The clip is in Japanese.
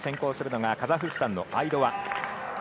まず先行するのがカザフスタンのアイドワ。